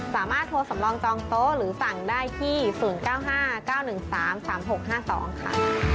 สามารถโทรสำรองจองโต๊ะหรือสั่งได้ที่๐๙๕๙๑๓๓๖๕๒ค่ะ